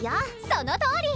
そのとおり！